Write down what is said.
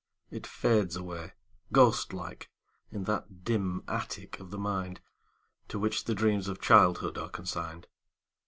It fades away. Ghost like, in that dim attic of the mind To which the dreams of childhood are consigned.